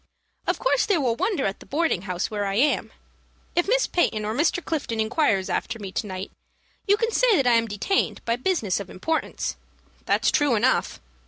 ] "Of course they will wonder at the boarding house where I am. If Miss Peyton or Mr. Clifton inquires after me to night, you can say that I am detained by business of importance. That's true enough.